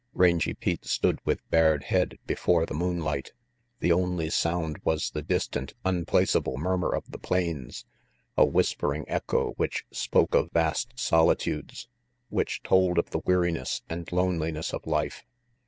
Rangy Pete stood with bared head before the moonlight. The only sound was the distant, unplace able murmur of the plains, a whispering echo which spoke of vast solitudes, which told of the weariness and loneliness of life.